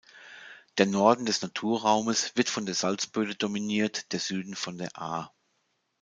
Der Norden des Naturraumes wird von der Salzböde dominiert, der Süden von der Aar.